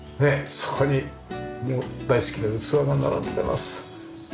そこに大好きな器が並んでます。